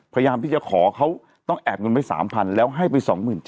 พยายามที่จะขอเขาต้องแอบเงินไว้๓๐๐๐แล้วให้ไป๒๗๐